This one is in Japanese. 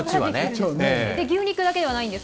牛肉だけではないんです。